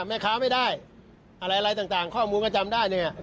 แม่ค้าไม่ได้อะไรอะไรต่างต่างข้อมูลก็จำได้เนี้ย